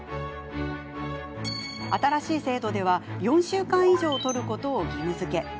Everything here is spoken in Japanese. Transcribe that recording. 新しい制度では４週間以上、取ることを義務づけ。